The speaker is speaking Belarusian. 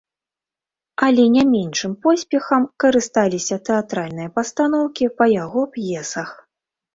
Але не меншым поспехам карысталіся тэатральныя пастаноўкі па яго п'есах.